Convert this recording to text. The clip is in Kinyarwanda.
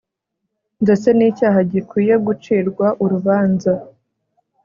ndetse ni icyaha gikwiye gucirwa urubanza